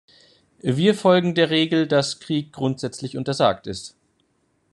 Wir folgen der Regel, dass Krieg grundsätzlich untersagt ist.